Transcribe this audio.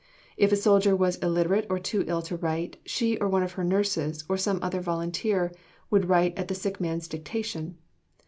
If a soldier was illiterate or too ill to write, she or one of her nurses, or some other volunteer, would write at the sick man's dictation.